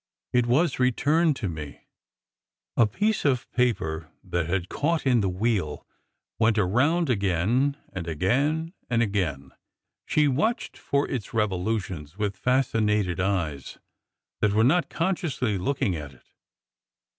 ... It was returned to me."' A piece of paper that had caught in the wheel went around again and again and again. She watched for its revolutions with fascinated eyes that were not consciously looking at it.